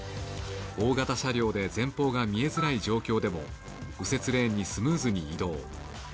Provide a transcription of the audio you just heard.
大型車両で前方が見えづらい状況でも右折レーンにスムーズに移動。